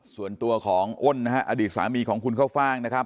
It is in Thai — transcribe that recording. ส่วนตัวของอ้นนะฮะอดีตสามีของคุณเข้าฟ่างนะครับ